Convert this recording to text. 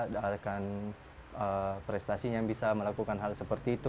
dengan prestasinya bisa melakukan hal seperti itu